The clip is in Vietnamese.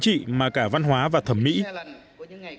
trị mà cả văn hóa và thông tin